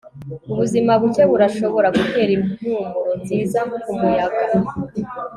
Ubuzima buke burashobora gutera impumuro nziza kumuyaga